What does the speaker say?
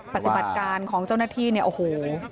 ปฏิบัติการของเจ้าหน้าที่เนี่ยโอ้โห